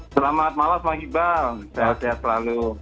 selamat malam pak ibang sehat sehat selalu